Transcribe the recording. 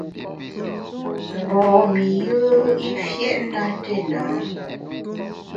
Mgbom-i yùe i fiét na téna.